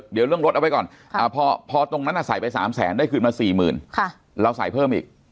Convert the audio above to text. เดี๋ยวเรื่องรถเอาไว้ก่อนพอตรงนั้นใส่ไป๓แสนได้คืนมา๔๐๐๐เราใส่เพิ่มอีก